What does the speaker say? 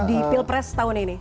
di pilpres tahun ini